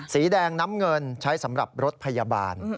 สีแดงน้ำเงินใช้สำหรับรถพยาบาล